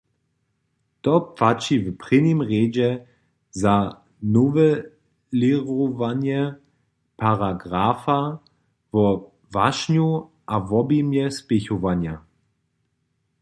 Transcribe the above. To płaći w prěnim rjedźe za nowelěrowanje paragrafa wo wašnju a wobjimje spěchowanja.